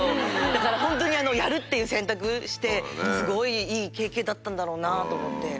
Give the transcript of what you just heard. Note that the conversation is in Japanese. だからやるっていう選択してすごいいい経験だったんだろうなと思って。